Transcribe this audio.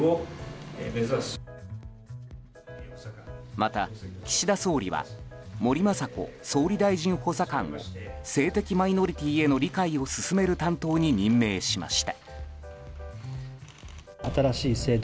また、岸田総理は森まさこ総理大臣補佐官を性的マイノリティーへの理解を進める担当に任命しました。